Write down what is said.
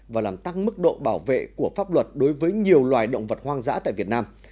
và làm tăng mức độ bảo vệ của pháp luật đối với nhiều loài động vật hoang dã tại việt nam